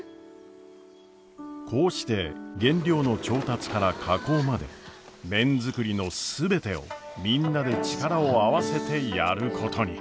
こうして原料の調達から加工まで麺作りの全てをみんなで力を合わせてやることに。